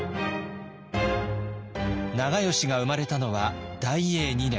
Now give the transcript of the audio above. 長慶が生まれたのは大永２年。